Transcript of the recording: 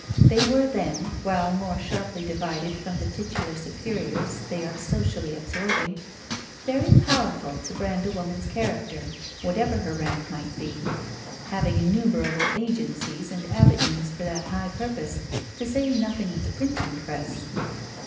They were then, while more sharply divided from the titular superiors they are socially absorbing, very powerful to brand a woman's character, whatever her rank might be; having innumerable agencies and avenues for that high purpose, to say nothing of the printing press.